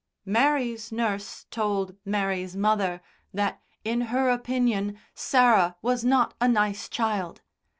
Mary's nurse told Mary's mother that, in her opinion, Sarah was not a nice child.